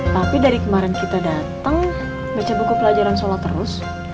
tapi dari kemarin kita datang baca buku pelajaran sholat terus